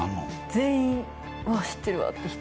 全員「わっ知ってるわ」って人